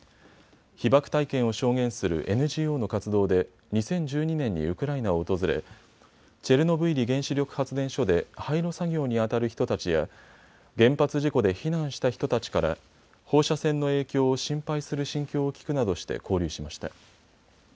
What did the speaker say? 被爆体験を証言するＮＧＯの活動で２０１２年にウクライナを訪れチェルノブイリ原子力発電所で廃炉作業に当たる人たちや、原発事故で避難した人たちから放射線の影響を心配する心境を聞くなどして交流しました。